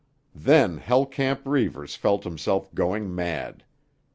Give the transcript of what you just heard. Then Hell Camp Reivers felt himself going mad.